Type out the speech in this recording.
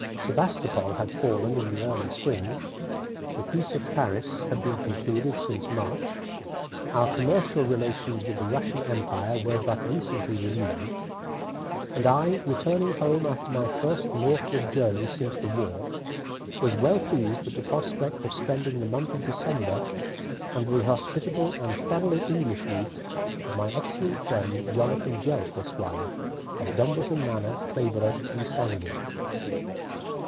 Sebastopol had fallen in the early spring, the peace of Paris had been concluded since March, our commercial relations with the Russian empire were but recently renewed; and I, returning home after my first northward journey since the war, was well pleased with the prospect of spending the month of December under the hospitable and thoroughly English roof of my excellent friend, Jonathan Jelf, Esq., of Dumbleton Manor, Clayborough, East Anglia.